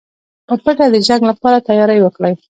په پټه د جنګ لپاره تیاری وکړئ.